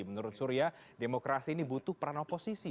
menurut surya demokrasi ini butuh peran oposisi